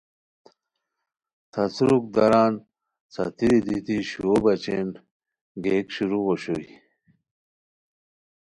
تھاسوروک دران څھاتری دیتی شوو بچین گئیک شروع اوشوئے